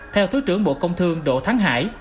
theo thứ trưởng bộ công thương đỗ thắng hải